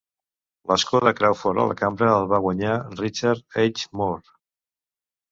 L'escó de Crawford a la Cambra el va guanyar Richard H. Moore.